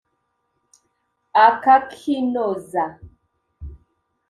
akakinoza